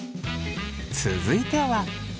続いては。